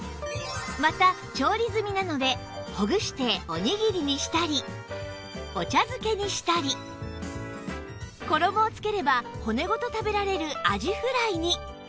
また調理済みなのでほぐしておにぎりにしたりお茶漬けにしたり衣をつければ骨ごと食べられるあじフライに